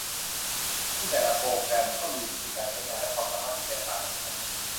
ซึ่งแต่ละโปรแกรมก็มีวิธีการใช้งานและความสามารถที่แตกต่างกันไป